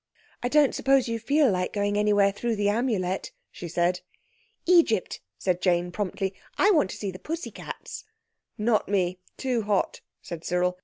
"I suppose you don't feel like going anywhere through the Amulet," she said. "Egypt!" said Jane promptly. "I want to see the pussy cats." "Not me—too hot," said Cyril.